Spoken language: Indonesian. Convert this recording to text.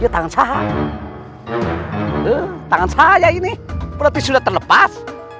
tangan saya ini berarti sudah terlepas